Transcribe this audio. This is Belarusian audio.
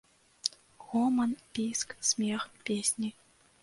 Гоман, піск, смех, песні.